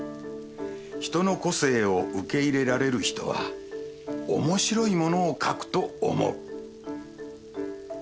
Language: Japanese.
人の個性を受け入れられる人は面白いものを描くと思う。